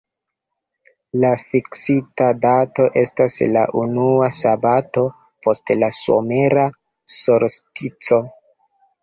La fiksita dato estas la unua sabato post la somera solstico.